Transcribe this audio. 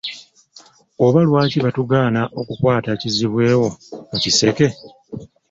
Oba lwaki baatugaana okukwata kizibwe wo mu kiseke?.